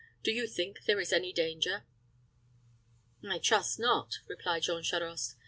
Do you think there is any danger?" "I trust not," replied Jean Charost.